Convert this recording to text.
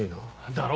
だろ？